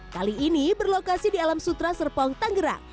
kali ini berlokasi di alam sutra serpong tangerang